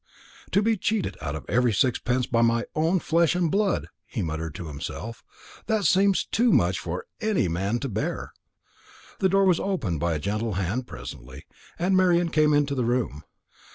"To be cheated out of every sixpence by my own flesh and blood!" he muttered to himself. "That seems too much for any man to bear." The door was opened by a gentle hand presently, and Marian came into the room.